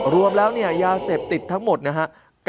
รวมแล้วเนี่ยยาเสพติดทั้งหมดนะฮะ